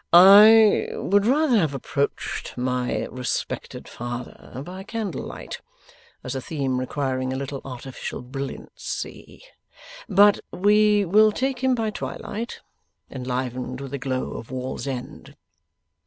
'I would rather have approached my respected father by candlelight, as a theme requiring a little artificial brilliancy; but we will take him by twilight, enlivened with a glow of Wallsend.